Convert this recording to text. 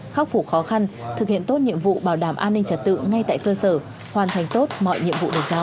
khắc phục khó khăn thực hiện tốt nhiệm vụ bảo đảm an ninh trật tự ngay tại cơ sở hoàn thành tốt mọi nhiệm vụ được giao